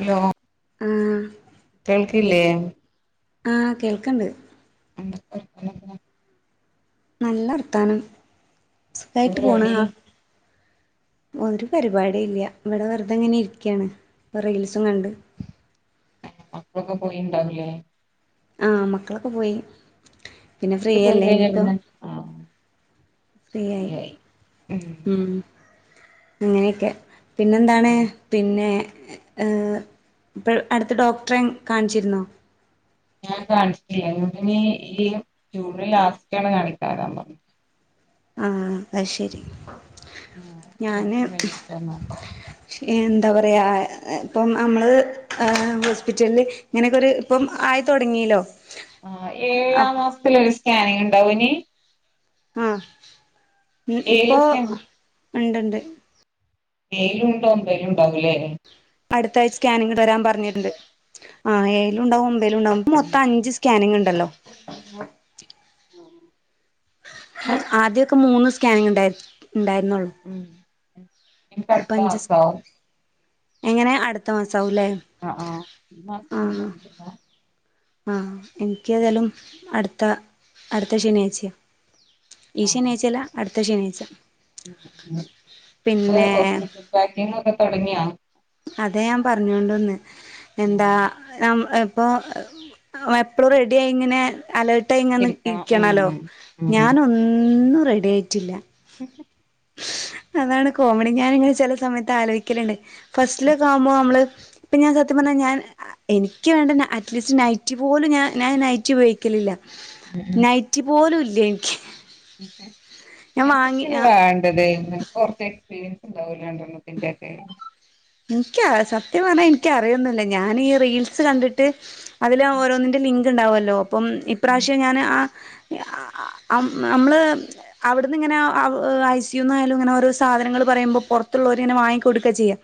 hello ആഹ് കേൾക്കില്ലേ ആഹ് കേൾക്കണ്ട് എന്തൊക്കെ വർത്താനൊക്കെ എന്താ നല്ല വർത്താനം സുഖായിട്ട് പോണ് പരിപാടി ആ ഒരു പരിപാടി ഇല്ല്യ ഇവിടെ വെറുതെ എങ്ങനെ ഇരിക്കയാണ് റീൽസ് കണ്ട് പോയിണ്ടാവില്ലേ ആ മക്കളൊക്കെ പോയി പിന്നെ ഓര് പോയി ഫ്രീയല്ലെ കഴിഞ്ഞ ഇനിയിപ്പ പിന്നെ ആഹ് ഫ്രീയായി ഉം ഇങ്ങനെയൊക്കെ പിന്നെന്താണ് പിന്നെ ഏ ഇപ്പ അടുത്ത് ഡോക്ടറെ കാണിച്ചിരുന്നോ ഞാൻ കാണിച്ചില്ല ഇനി ഈ ജൂൺ ലാസ്റ്റാണ് കാണിക്കാറാമ്പം ആ അത് ശരി ആഹ് ഒരു ഞാന് മാസം കഴിഞ്ഞിട്ടാണ് എന്താ പറയ ഇപ്പം നമ്മള് ഹോസ്പിറ്റലിൽ ഇങ്ങനെയൊക്കെ ഒരു ഇപ്പം ആയി തുടങ്ങിലോ ആ ഏഴാം മാസത്തില് സ്കാനിങ് ഉണ്ടാവോനി ആ ഉം ഇപ്പൊ ഏഴിലെ ഉണ്ട്ഉണ്ട് ഏഴിലുണ്ട് ഒമ്പത്തിലുണ്ടാവും ലെ അടുത്താഴ്ച്ച സ്കാനിങ്ങ് തരാൻ പറഞ്ഞിട്ടുണ്ട് ആ ഏഴിലുണ്ടാവും ലുണ്ടാവും ഉം മൊത്തം അഞ്ച് സ്കാനിങ് ഉണ്ടല്ലോ മ് [inaudible] ആദ്യൊക്കെ മൂന്ന് സ്കാനിങ് ഉണ്ടായി ഉണ്ടായിരുന്നുള്ളൂ ഇനി ഇപ്പ അടുത്ത അഞ്ച് മാസോ എങ്ങനെ അടുത്ത മാസം ആഹ ആഹ ഈ മാസം ഒന്നും പറഞ്ഞിട്ടില്ല ആഹ എനിക്ക് ഏതായാലും അടുത്ത ത്ത അടുത്ത ശനിയാഴ്ച്ചയാ ആ ഉം പിന്നെ ഹോസ്പിറ്റൽ പാക്കിങ്ങൊക്കെ തുടങ്ങിയ അതെ ഞാൻ പറഞ്ഞൊണ്ട് വന്നെ എന്താ [inaudible] അപ്പോ എപ്പോളും റെഡിയായിങ്ങനെ അലേർട്ടായി ഇങ്ങനെ ഇരിക്കണം ഉം ഇരിക്കാണല്ലോ ഉം ഞാൻ ഒന്നും റെഡി ആയിട്ടില്ല [inaudible] അതാണ് കോമഡി ഞാനിങ്ങെനെ ചില സമയത്ത് തലോചിക്കലുണ്ട് ഫസ്റ്റില ഒക്കെ ആകുമ്പോ നമ്മള് ഇപ്പം ഞാൻ സത്യം പറഞ്ഞാൽ ഞാൻ എനിക്ക് വേണ്ട അറ്റ്ലീസ്റ്റ് നൈറ്റ് പോലുംഞാൻ ഞാൻ നൈറ്റ് ഉയോഗിക്കലില്ല ഉം നൈറ്റി പോലുംല്ല ലെൻ [unintelligible] ഉം എന്തൊക്കിലോ വേണ്ടത് നിങ്ങക്ക് കൊറച്ച് എക്സ്പീരിയൻസ് ണ്ടാവൂല്ലേ രണ്ടെണ്ണത്തിറന്റെ ഒക്കെ എനിക്ക് സത്യം പറഞ്ഞാൽ എനിക്കറിയന്നില്ല ഞാൻീ റീൽസ് കണ്ടിട്ട് അതില് ഉം ഓരോന്നന്റെ ലിങ് ഉണ്ടാവുമല്ലോ പ്പം ഇപ്രാവശ്യം ഉം ഞാന് ആ നമ്മള് അവിടുന്ന് ഇങ്ങനെ ഐ സിയ യു എന്നയാലും ഇങ്ങനെ ഓരോ സാധനങ്ങൾ പറയുമ്പോൾ പുറത്തുള്ളവർ ഇങ്ങനെ വാങ്ങിക്ക കൊടുക്ക ചെയ്യാം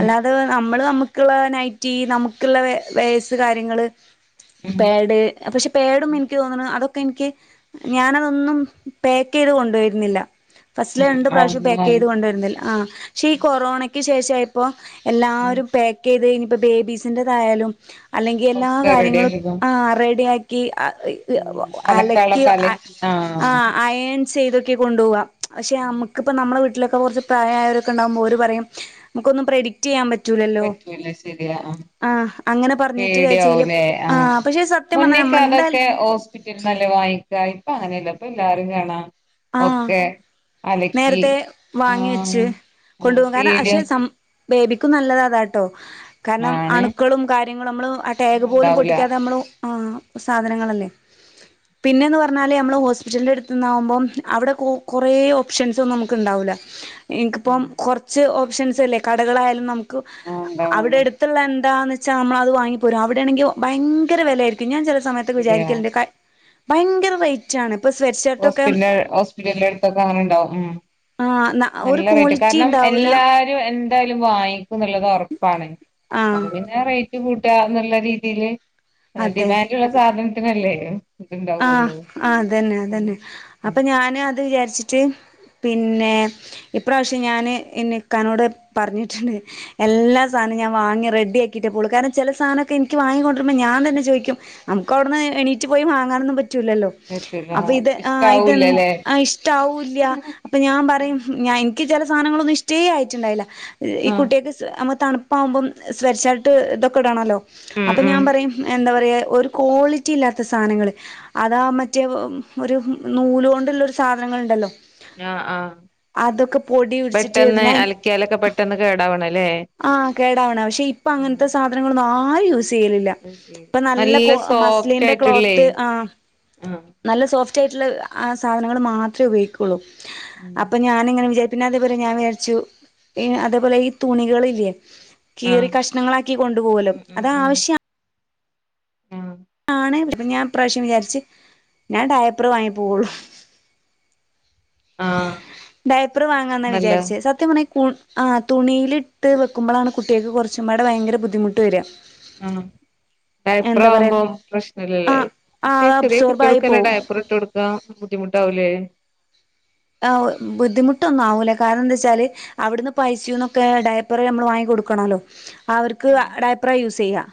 അല്ലാതെ നമ്മള് നമുക്ക് ക്കുള്ള നൈറ്റി നമുക്കുള്ള വയേഴ്‌സ് കാര്യങ്ങള് ഉം പാഡ് പക്ഷെ പാഡ് ഒന്നും എനിക്ക് തോന്നുന്നു അതൊ എനിക്ക് ഞാനതൊന്നും പാക്ക് ചെയ്ത് കൊണ്ടുവരുന്നില്ല ഫസ്റ്റ്ലെ ഉം രണ്ട് പ്രാവശ്യം അവിടുന്ന് പാക്ക് വാങ്ങി ചെയ്ത് കൊണ്ടുവരുന്നില്ല ആഹ് പക്ഷെ ഈ കൊറോണക്ക് ക്ക് ശേഷമായി അപ്പോ ഉം എല്ലാരും പാക്കയ്ത് ഇനി ഇപ്പൊ ബേബീസിന്റെതായാലും അല്ലെങ്കി എല്ലാ ഒക്കെ കാര്യങ്ങളും റെഡിയാക്കിക്കോ ആ റെഡി ആക്കി ക്കി ഉം ആ അലക്കി അലക്കാനുള്ളതൊക്കെ അലക്കി ആ ആഹ് അയൺ ചെയ്തൊക്കെ കൊണ്ടുപോവുക പക്ഷെ നമുക്കിപ്പ നമ്മുടെ വീട്ടിലൊക്കെ കുറച്ച് പ്രായമായവരൊക്കെണ്ടാകുമ്പോ ഓര് പറയും നമുക്കൊന്നും പ്രഡിക്ട് ചെയ്യാൻ പ പറ്റൂല്ല ശരിയാ ആഹ് അങ്ങനെ പറഞ്ഞിട്ട് പേടി അത് ചെയ്യല് ആവുല്ലേ ആഹ് പക്ഷെ സത്യം പറഞ്ഞാ മുന്നേക്കെ നമ്മളെന്തായാലും അതൊക്കെ ഹോസ്പിറ്റലിന്നല്ലെ വാങ്ങിക്ക ഇപ്പൊ അങ്ങനെല്ല ഇപ്പൊ എല്ലാരും കാണാം ആഹ് ഒക്കെ അലക്കി നേരത്തെ വാങ്ങി വെച്ച് ആഹ് കൊണ്ട് ആഹ് പോകാൻ പേടി പക്ഷെ സം ബേബിക്ക് നല്ലത് അതാട്ടോ കാരണം ആണ് അണുക്കളും കാര്യങ്ങളും നമ്മള് ആ ടാഗ് പോലും ഇന്നുണ്ടാവൂല പൊട്ടിക്കാതെ നമ്മള് ആഹ് സാധനങ്ങളല്ലേ പിന്നെന്ന് പറഞ്ഞാല് നമ്മള് ഹോസ്പിറ്റലിന്റെ അടുത്ത്ന്നാവുമ്പം അവിടെ കൊറേ ഓപ്ഷൻസും ഒന്നും നമുക്ക് ഉണ്ടാവൂല്ല എനിക്കിപ്പം ആഹ് കുറച്ച് ഓപ്ഷൻസല്ലേ കടകളായാലും നമുക്ക് ആഹ് അവിടെ ഉണ്ടാവുള്ളു അടുത്തുള്ള എന്താന്ന് വച്ചാൽ നമ്മളത് വാങ്ങിപ്പോരും അവിടെയാണെങ്കിൽ ഭയങ്കര വിലായിരിക്കും ഞാൻ ചില സമയത്ത് ശരിയാ വിചാരിക്കലണ്ട് ഭയങ്കര റേറ്റാണ് ഇപ്പൊ സ്വെറ്റ് ഷർട്ടൊക്കെ എല്ലായിടത്തൊക്കെ അങ്ങനെ ഉണ്ടാവും ഉം ആഹ് ന ഒരു നല്ലതായിട്ട് ക്വാളിറ്റി കാരണം ഉണ്ടാവൂല എല്ലാരും എ എന്തായാലും വായി നല്ലതാ ഉറപ്പാണ് ആഹ് അപ്പോ പിന്നെ കൂട്ടുകാരുന്നുള്ള രീതിയില് അതെ ഡിമാൻഡുള്ള സാധനം പിന്നല്ലേ ആഹ് ആഹ് അതന്നെ അതന്നെ ഉം അപ്പൊ ഞാന് അത് വിചാരിച്ച പിന്നെ ഈ പ്രാവശ്യം ഞാനു എന്റെ ഇക്കാനോട് പറഞ്ഞിട്ടുണ്ട് എല്ലാ സാധനവും ഞാൻ വാങ്ങി റെഡി ആക്കീട്ടെ പോകുള്ളു കാരണം ചില സാധനം ഒക്കെ എനിക്ക് വാങ്ങി കൊണ്ട് വരുമ്പോ ഞാൻ തന്നെ ചോദിക്കും നമുക്ക് അവിടുന്ന് എണീറ്റ് പോയി വാ വാങ്ങാൻ ഒന്നും പറ്റൂലല്ലോ പറ്റൂല അപ്പൊ ഇത് ആഹ് ഇതെ ഇഷ്ടാവൂലല്ലേ ഇഷ്ട്ടാവൂല്ല അപ്പൊ ഞാൻ പറയും ഞ എക്ക് ചില സധങ്ങളൊന്നും ഇഷ്ടേ ആയിട്ടുണ്ടായില്ല ഈ ഉം കുട്ടികളക്ക് തണുപ്പാകുമ്പം സ്വേട് ശർട്ടൊക്കെ ഇതൊക്കെ ഇടണല്ലോ അപ്പൊ ഉം ഞാൻ പറയും എന്താ പറയാ ഒരു കോളി യില്ലാത്ത സാധനങ്ങൾ അതാ മറ്റേ ഒരു നൂല് കൊണ്ടുള്ള ഒരു സാധനങ്ങളുണ്ടല്ലോ ആഹ് ആഹ് അതൊക്കെ പൊടി പിടിച്ചിട്ട് പെട്ടെന്ന് എന്തിനാ അലക്കിയാലൊക്കെ പെട്ടെന്ന് കേടാവണല്ലേ ആ കേടാവണ പക്ഷെ ഇപ്പ ആഹ് അങ്ങനത്തെ സാധനങ്ങളൊന്നും ആ ആഹ് യൂസ് തേന്നില്ല അത് ശരി ഇപ്പ നല്ല സോഫ്റ്റ് മസ്ലിന്റെ ക്ലോത്ത് ആയിട്ടുള്ളേ ആഹ് ആഹ് നല്ല സോഫ്റ്റ്‌ സോഫ്റ്റായിട്ടുള്ള അഹ് സാധനങ്ങൾ മാത്രമേ ഉപയോഗിക്കുകയുള്ളൂ ഉം അപ്പൊ ഞാനിങ്ങനെ വിചാരിക്കും പിന്നെ അതേപോലെ ഞാൻ വിചാരിച്ചു അതേപോലെ ഈ തുണികളില്ലേ കീറി ആഹ് കഷ്ണങ്ങളാക്കി കൊണ്ടുപോവുല്ലോ ഉം ഉം ഉം അതാവശ്യം ആഹ് ആഹ് ആണ് ഞാൻ ഇപ്രാശ്യം വിചാരിച്ച് ഞാൻ ഡടയപ്പർ വാങ്ങി പോകുള്ളു ആഹ് ഡയപ്പർ വാങ്ങന്നാ നല്ല വിചാരിച്ചേ സത്യപ ആ തുണിയിലിട്ട് വെക്കുമ്പോളാണ് കുട്ടികൾക്ക് കുറച്ചുപാടെ ഭയങ്കര ബുദ്ധിമുട്ട് വര ആ ഡയപ്പർ പറയാ ആവുമ്പോം ആ പ്രശ്നല്ലല്ലേ ആ പക്ഷെ ചെറിയ അബ്സോർബ് ആയി കുട്ടിൾക്ക് തന്നെ പോവും ഡയപ്പർ ഇട്ട് കൊടുക്കാ ബുദ്ധിമുട്ടാവൂലേ ആ ബുദ്ധിമുട്ടൊന്നും ആവൂല കാരണന്തച്ചാല് അവിടുന്ന് ഐ സി യു ന്നൊക്കെ ഡയപ്പർ നമ്മള് വാങ്ങി കൊടുക്കണോലോ അവർക്ക് ഉം ഡൈപ്പറ യൂസ് ചെയ്യ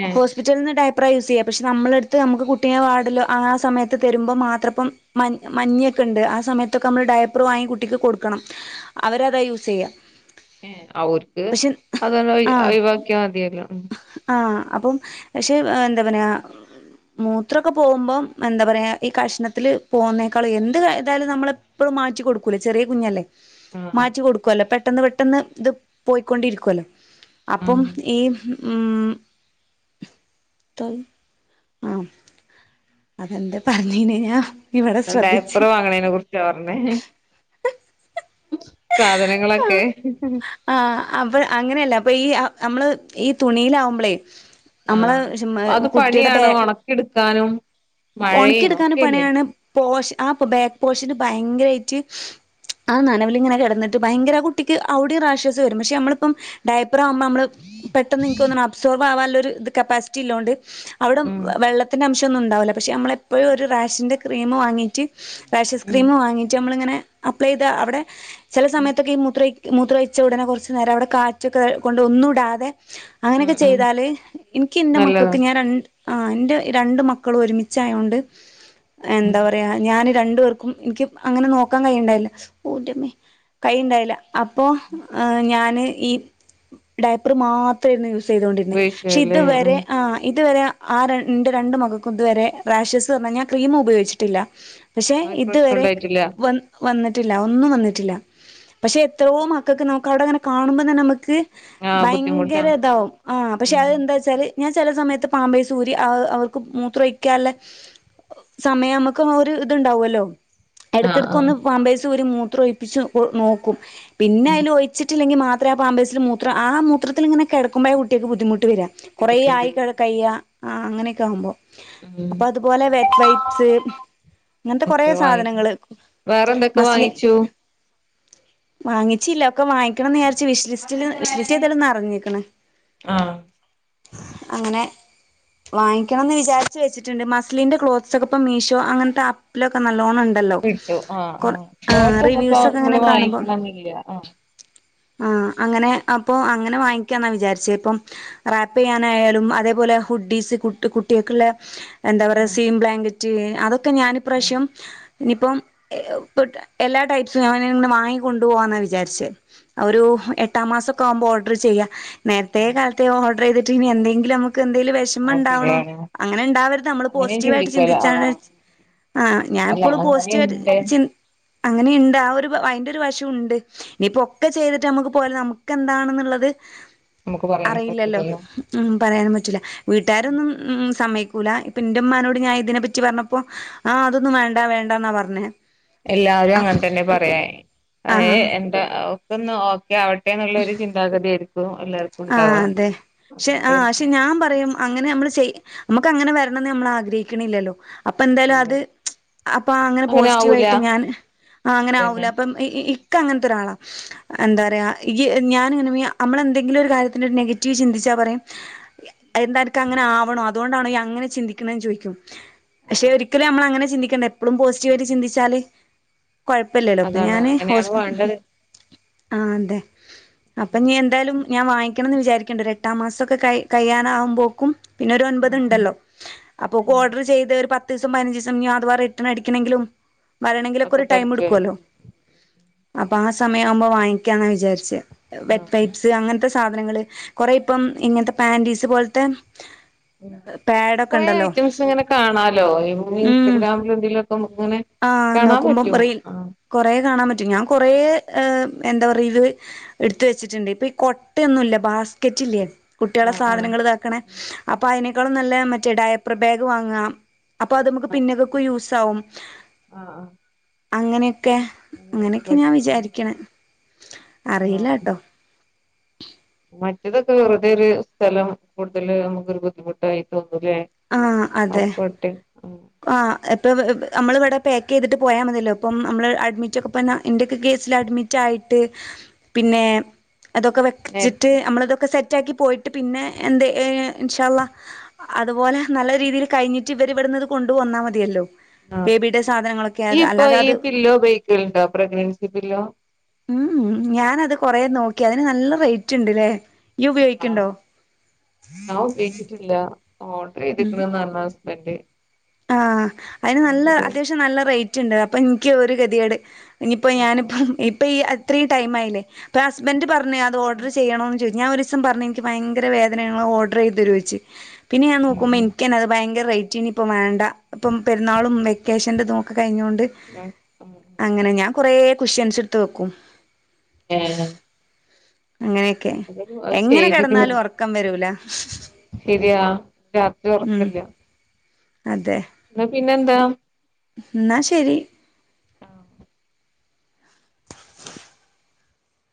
ഏഹ് ഹോസ്പിറ്റൽന്ന് ഡയ പ്ര യൂസ് ചെയ്യ പക്ഷെ നമ്മളെടുത്ത് നമുക്ക് കുട്ടിയെ വാട്ലോ ആ സമയത്ത് തരുമ്പോ മാത്രപ്പം മഞ്ഞൊക്കെ ഉണ്ട് ആ സമയത്തൊക്കെ നമ്മള് ഡയപ്പർ വാങ്ങി കുട്ടിക്ക് കൊടുക്കണം അവരതാ യൂസെയ്യ ഏ അവർക്ക് അതന്നെ ആഹ് ഒഴിവ് ആക്കിയ മതിയല്ലോ ആഹ് അപ്പം പക്ഷേ എന്താ പറയ മൂത്രക്കെ പോകുമ്പം എന്താ പറയ ഈ കഷ്ണത്തിൽ പോകുന്നേക്കാൾ എന്ത് ഇതായാലും നമ്മൾെപ്പോഴും മാറ്റി കൊടുക്കൂലേ ചെറിയ കുഞ്ഞല്ലേ ആഹ് മാറ്റി കൊടുക്കുവല്ലോ പെ പെട്ടെന്ന് പെട്ടെന്ന് ഇത് പോയിക്കൊണ്ടിരിക്കുവല്ലോ അപ്പം ആഹ് ഈ മ്മ്മ്മ് ആഹ അതെന്താ പറഞ്ഞീന ഞാ ഡയപ്പർ വാങ്ങണേനെ കുറിച്ച പറഞ്ഞേ സാധനങ്ങളൊക്കെ ആ അപ്പ അങ്ങനെയല്ല അപ്പൊ ഈ നമ്മള് ഈ തുണിയിലാവുമ്പളേ ആഹ നമ്മള് അത് പണിയാണ് ഉണകിട് ക്കാനും ഉണക്കിടുക്കാനും പണിയാണ് പോഷ ആ ബാക്ക് പോഷന് ഭയങ്കരയിട്ട് ആ നനവില്ങ്ങനെ കെടന്നിട്ട് ഭയങ്കര ആ കുട്ടിക്ക് ഔടിം രാഷസ് വരും പക്ഷെ നമ്മളിപ്പം ഡയ പ്പർ നമ്മള് പെട്ടെന്ന് ഇൻക്ക് തോന്ന്ണ് അബ്സോർബ് ആവാല്ലൊര് ഇത് കപ്പാസിറ്റി ഇല്ലോണ്ട് അവിട ഉം വെള്ളത്തിന്റെ അംശം ന്നോണ്ടാവുല പക്ഷേ നമ്മളെപ്പോഴും ഒരു റാഷിന്റെ ക്രീം വാങ്ങിട്ട് റേഷസ് ഉം ക്രീം വാങ്ങീട്ട് നമ്മളിങ്ങനെ അപ്ലൈത അവിടെ ചില സമയത്തൊക്കെ ഈ മുത്ര മൂത്ര ഒഴിച്ച ഉടനെ കുറച്ചു നേരം അവിടെ കാറ്റൊക്കെ കൊണ്ട് ഒന്നും ഇടാതെ ഉം അങ്ങനെക്കെ ഉം ചെയ്താല് എനിക്ക് എന്റെ നല്ലതാ മക്കക്ക് ഞാൻ രണ്ട് ആ എന്റെ രണ്ട മക്കളും ഒരുമിച ചായോണ്ട് ഉം എന്താ പറയാ ഞാൻ രണ്ടു പേർക്കും എനിക്ക് അങ്ങനെ നോക്കാൻ കൈണ്ടായില്ല ഓറ്റെമ്മേ കൈണ്ടായില്ല അപ്പൊ ഞാന് ഈ ഡൗപ്പർ മാത്രം ചെയ്തൊണ്ടിന്നെ പക്ഷെ ഉപയോഗിച്ചല്ലേ ഇതുവരെ ഉം ആ ഇതുവരെ ആ രണ്ട് എന്റെ രണ്ട് മകൾക്കും ഇതുവരെ റാഷസ് വന്നാ ഞാൻ ക്രീം ഉപയോഗിച്ചിട്ടില്ല പക്ഷെ ആ ഒരു പ്രശ്നം ഇതുവരെ ഉണ്ടായിട്ടില്ല വ വന്നിട്ടില്ല ല്ല ഒന്നും വന്നിട്ടില്ല പക്ഷെ എത്രോ മക്കക്ക് നമുക്ക് അവിടെ അങ്ങനെ കാണുമ്പോൾ തന്നെ നമുക്ക് ആഹ് ബുദ്ധിമുട്ടാ ഭയങ്കര ഇതാവും ആ പക്ഷെ ഉം അതന്താച്ചാല് ഞാൻ ചില സമയത്ത് പാമ്പേഴ്സ് ഊരി അവർക്ക് മൂത്ര ക്കല്ല സമയം നമുക്ക് ഒരു ഇതുണ്ടാവല്ലോ ആഹ് എടക്കിടക്ക് ഒന്ന് ആഹ് വാമ്പേഴ്സ്സൂര് മൂ ത്രോയിപ്പിച്ചു നോക്കും പിന്നെ ഉം അയിലൊഴിച്ചിട്ട് അല്ലങ്കിൽ മാത്രെ ആ പമ്പേഴ്സിൽ മൂത്രം ആ മൂത്രത്തി ഇങ്ങനെ കിടക്കുമ്പോ ആ കുട്ടക്ക് ബുദ്ധിമുട്ട് വരാ കുറെ ബുദ്ധിമുട്ടുണ്ട് ആയി കിഴക്കയ്യ ആ അങ്ങനെയൊക്കെ ആകുമ്പോൾ ഉം അപ്പൊ അതുപോലെ വെറ്റ് വൈപ്സ് അങ്ങനത്തെ കൊറ ഒക്കെ വാങ്ങിച്ചു സാധനങ്ങള് വേറെന്തൊക്കെ മസ്ലി വാങ്ങിച്ചു വാങ്ങിച്ചില്ല ഒക്കെ വാങ്ങിക്കണന്ന് വിചാരിച്ച് വിശിലിസിറ്റില് വിശിലിസിറ്റി നെറിഞ്ഞിക്കണ ആഹ് അങ്ങനെ വാങ്ങിക്കണന്ന് വിചാരിച്ച വെച്ചിട്ട് ണ്ട് മസ്ലിന്റെ ക്ലോക്സ് ഒക്കെ ഇപ്പ മീഷോ അങ്ങനത്തെ ആപ്പിലൊക്കെ നല്ല വിട്ടുആ ആ ഷോപ്പിൽ ഒക്കെ റിവ്യൂസ് ഇങ്ങനെ വാങ്ങിക്കണംയന്നില്ല ആ ആ അങ്ങനെ അപ്പൊ അങ്ങനെ വാങ്ങിക്കാ എന്നാ വിചാരിച്ചേ ഇപ്പം റാപ്പ് ചെയ്യാനായാലും അതേപോലെ ഹുഡീസ് കുട്ട കുട്ടികൾക്കുള്ള എന്താ പറയ ഉം സീം ബ്ങ്കക്റ്റ് [unintelligible] ഒക്കെ ഞാാനിപ്രാവശ്യം ഇനിയിപ്പം എല്ലാ ടൈപ്സും ഞാനെ വാങ്ങിക് കൊണ്ടുപോവാന്ന വിചാരിച്ചേ ഒരു എട്ടാം മാസൊക്കെ ആവുമ്പോൾ ഓർഡർ ചെയ്യാ നേരത്തെേ കാലത്തെ ഓട്ര എന്തെിലും [unintelligible] എന്തെിലും വിഷമ അത് ഉണ്ടാവണം ശരിയാണ് അങ്ങനെ ഉണ്ടാ [unintelligible] നമ്മള് അങ്ങനെയും പോസിറ്റീവ ആായിട്ട് ചിന്തിക്കുവല്ലോ ചിന്തിച്ച ആഹ് ആ് അല്ല ഞാനിപ്പോും പോസിറ്റീവ് ആയിട്ട് അങ്ങനെയുണ്ട് ചിന്ത അങ്ങനെയുണ്ട് ആ ഒരു അയിന്റൊരു വശംഉണ്ട് ഇനിയിപ്പോ ഒക്കെ ചെയ്തിട്ട് നമ്മുക്ക് പോലെ നമുക്ക്ന്താണ് ഉള്ളത് എന്താണെന്നുള്ളത് നമുക്ക് പറയാൻ അറിയില്ലല്ലോ പറ്റില്ലല്ലോ മ് പറയാനൻ പറ്റില്ല വീട്ടുകാരൊന്നും ഉ സമയക്ക കുല പിന്റെമ്മാനോട് ഞാൻ ഇതിനെപ്പറ്റി പറഞ്ഞപ്പോ ആ അതൊന്നും വേണ്ടാ വേണ്ടാന്നാ പറഞ്ഞേ എല്ലാരും അപ് അങ്ങനെ തന്നെ പറയായി ആഹ് [unintelligible] [unintelligible] ക്കെയോ ആവട്ടെ എന്നുള്ളൊരു ചിന്താഗതി ആരിക്കും ആഹ് അതെ അതുകൊണ്ട് പക്ഷെ ഞാൻ പറയും അങ്ങനെ നമ്മള് ചെയ് നമക്ക് അങ്ങനെ വരണണംന്ന് നമ്മൾ ആഗ്രഹിക്ക്ണില്ലല്ലോ അപ്പൊ എന്തായാലും ഇല്ല അത് അപ്പൊ അങ്ങനെ പോസിറ്റീവ് ആയിട്ട് ഞാൻ അങ്ങനെ ആവുല അതന്നെ അപ്പൊ ഇക്ക അങ്ങനത്തെ ഒരാളാ എന്താ പറയാ ഈ ഞാനിങ്ങനെ നമ്മളെന്തെ ഏതെങ്കിലും ഒരു കാര്യത്തിന് ഒരു നെഗറ്റീവ് ചിന്തിച്ചാൽ പറയും എന്താ അർത്ഥം അങ്ങനെ ആവണോ അതുകൊണ്ടാണോ നീ അങ്ങനെ ചിന്തിക്കണേന്ന് ചോദിക്കും പക്ഷെ ആഹ് ഒരിക്കലും നമ്മളങ്ങനെ ചിന്തി [unintelligible] എപ്പോളും പോസിറ്റീവായിട്ട് ചിന്തിച്ചാല് കൊഴപ്പവില്ലല്ലോ അപ്പൊ അതാണ് ഞാന് ഹോ അങ്ങനെയാണ് വേണ്ടത് ആ അതെ അപ്പൊ ഇനി എന്തായാലും ഞാൻ വാങ്ങിക്കണം എന്ന് വിചാരിക്കണ്ട് ഒരു എട്ടാം മാസമൊക്കെ ക കഴിയാറാവുമ്പേക്കും പിന്നെ ഒരു ഒൻപത് ഉം ഉം ഉണ്ടല്ലോ അപ്പോക്ക് ഉം ഓർഡർ ചെയ്ത് ഒരു പ പത്ത് ദിവസം പതിനഞ്ച് ദിവസം ഇനി അഥവാ റിട്ടേൺ അടിക്കണെങ്കിലും വരണെങ്കിലൊക്കെ ഒക്കെ ഒരു പറ്റും ടൈമെടുക്കുവല്ലോ അപ്പൊ ആ സമയം ആവുമ്പോ വാങ്ങിക്കാന്നാ വിചാരിച്ചേ [unintelligible] ആഹ് ത്തെ സാധനങ്ങള് കൊറേ ഇപ്പം ഇങ്ങനത്തെ പാൻറീസ് പോലത്തെ പാഡൊക്കെ കൊറേ ഉണ്ടല്ലോ ഐറ്റംസ് ഇങ്ങനെ കാണാലോ എന്നും ഉം ഇൻസ്റ്റാഗ്രാമിൽ എന്തെലുയൊക്കെ നമുക്ക് ഇങ്ങനെ ആഹ് കാണാൻ നോക്കുമ്പം പറ്റും റീൽ കൊറേ കാണാൻ പറ്റും ഞാൻ കൊറേ എന്താ പറയ ഇത് എടുത്ത് വെച്ചിട്ടുണ്ട് ഇപ്പൊയി കൊട്ട ഒന്നുയില്ല ബാസ്ക്കറ്റില്ലേ ആ കുട്ടികളെ ആ സാധനങ്ങള് ഇതാക്കണേ അപ്പൊ അയിന്- മക്കളും നല്ല മറ്റേ ഡയപ്പറ് ബാഗ് വാങ്ങുവ അപ്പോ അത് നമ്മ്ക്ക് പിന്നെയൊക്കെ യൂസാവും ആഹ് ആഹ് അങ്ങനെ ക്കെ അങ്ങനെക്കെ ഞാൻ വിചാരിക്കണ് ആ അറിയില്ലട്ടോ [inaudible] മറ്റതൊക്കെ വെറുതെ ഒരു സ്ഥലം കൂടതല് നമുക്കൊരു ബുദ്ധിമുട്ടായി തോനും ആ അതെ ആ എപ്പ എവ് എവ് നമ്മളിവടെ പായ്ക്ക് ചെയ്തിട്ട് പോയ മതിയല്ലോ ഇപ്പം നമ്മള് അഡ്മിറ്റ് ഒക്കെ പിന്നെ എൻ്റെയൊക്കെ കേസിൽ അഡ്മിറ്റ് ആയിട്ട് പിന്നേ- അതൊക്കെ നേ വെച്ചിട്ട് അമ്മളതൊക്കെ സെറ്റ് മിറ്റാക്കി പോയിട്ട് പിന്നെ എന്തേ ഏ ഇൻഷാ അള്ളാഹ് അത് അതുപോലെ നല്ല രീതിയിൽ കഴിഞ്ഞിട്ട് ഇവര് ഇവിടുന്നത് കൊണ്ട് വന്നാ മതിയല്ലോ ആ ബേബിയുടെ സാധനങ്ങളൊക്കെ അത് ഇയിപ്പൊ അല്ലാതെ ഈ അത് പില്ലോ ഉപയോഗിക്കലുണ്ടോ പ്രഗ്നൻസി പില്ലോ ഉം ഞാനത് കൊറേ നോക്കി അതിന് നല്ല റേറ്റ് ഇണ്ട്ല്ലേ ഇയ് ആ ഉപേയോഗിക്കണ്ടോ ഓഡർ എയ്തിക്കണ് [unintelligible] ബെഡ് ആ അയിന് നല്ല അത്യാവശ്യം നല്ല റേ റെയിറ്റുണ്ട് അപ്പൊ എനിക്ക് ഒരു ഗതിഗേട് ഇനിയിപ്പോ ആ ഞാനിപ്പം ഇപ്പം ഈ അത ഇത്രയും ടൈംആയില്ലേ അപ്പൊ ഹസ്ബൻറ് പറ ഞ്ഞ് അത് ഓഡർ ചെയ്യണോന്ന് ചോയി ഞാൻ ഒരുസം പറഞ്ഞു എനിക്ക് ഭയങ്കര വേദനയാ നിങ്ങൾ ഓഡർ ചെയ്ത് താരോവൊന്നു ചോദിച്ചു പിന്നെ ഞാൻ നോക്കുമ്പോ ഉം എനിക്ക് തന്നെ അത് ഭയര റേ റ്റിന് ഇപ്പം വേണ്ട ഇപ്പം പെരുന്നാളും വെക്കേഷന്റെ ഇതും ഒക്കെ കഴിഞ്ഞൊണ്ട് ഉം ഉം അങ്ങനെ ഞാൻ കൊറേ കുഷ്യൻസ് എടുത്ത് വെക്കും ഏ അങ്ങനെയൊക്കെ ഏതായാലും അത് എങ്ങനെ ചെയ്ത്ക്ക്ണ് കിടന്നാലും ഉറക്കം വരൂല ശരിയാ രാത്രി ഉം ഉറക്കോല്ല അതെ എന്നാ പിന്നെന്താ എന്നാ ശരി